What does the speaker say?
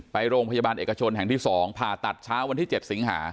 ไปโรงพยาบาลเอกชนแห่งที่๒ผ่าตัดเช้าวันที่๗สิงหา